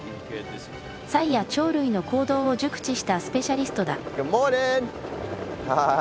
サイや鳥類の行動を熟知したスペシャリストだ。